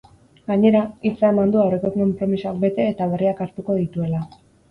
Gainera, hitza eman du aurreko konpromisoak bete eta berriak hartuko dituela.